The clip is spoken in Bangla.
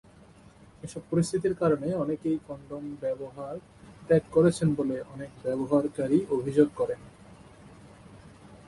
এসব পরিস্থিতির কারণে অনেকে এই কনডম ব্যবহার ত্যাগ করেছেন বলে অনেক ব্যবহারকারী অভিযোগ করেন।